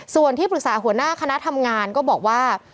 ส่วนที่ปรึกษาหัวหน้าคณะทำงานก็บอกว่า